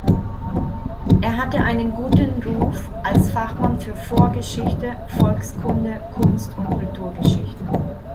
Er hatte einen guten Ruf als Fachmann für Vorgeschichte, Volkskunde, Kunst- und Kulturgeschichte.